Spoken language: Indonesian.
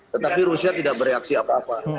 tetapi rusia tidak bereaksi apa apa